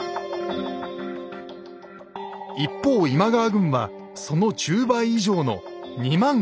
一方今川軍はその１０倍以上の２万５，０００。